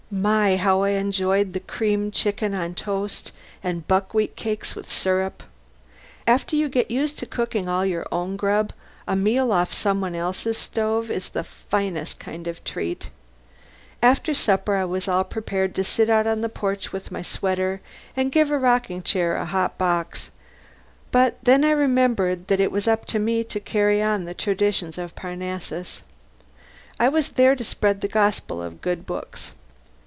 My! how I enjoyed that creamed chicken on toast, and buckwheat cakes with syrup! After you get used to cooking all your own grub, a meal off some one else's stove is the finest kind of treat. After supper I was all prepared to sit out on the porch with my sweater on and give a rocking chair a hot box, but then I remembered that it was up to me to carry on the traditions of Parnassus. I was there to spread the gospel of good books.